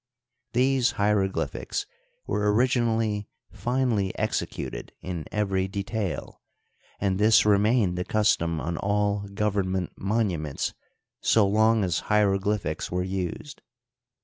These hieroglyphics were originally finely exe cuted in every detail, and this remained the custom on all government monuments so long as hieroglyphics were used.